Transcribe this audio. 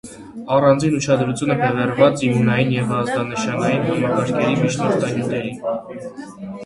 Առանձին ուշադրություն է բևեռված իմունային և ազդանշանային համակարգերի միջնորդանյութերին։